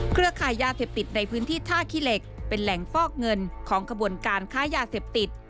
ขายยาเสพติดในพื้นที่ท่าขี้เหล็กเป็นแหล่งฟอกเงินของขบวนการค้ายาเสพติด